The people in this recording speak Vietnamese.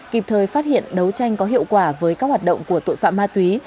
kịp thời phát hiện đấu tranh có hiệu quả với các hoạt động của tội phạm ma túy